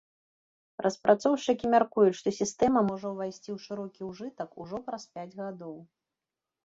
Распрацоўшчыкі мяркуюць, што сістэма можа ўвайсці ў шырокі ўжытак ужо праз пяць гадоў.